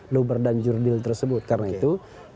luber dan jurdil tersebut karena itu